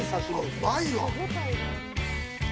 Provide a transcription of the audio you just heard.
うまいわ。